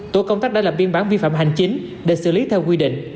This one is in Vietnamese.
tổ công tác đã lập biên bản vi phạm hành chính để xử lý theo quy định